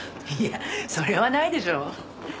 いやそれはないでしょ。